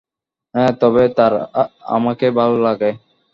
হ্যাঁ তবে তার আমাকে ভালোই লাগে।